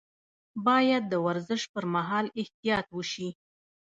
باید د ورزش پر مهال احتیاط وشي.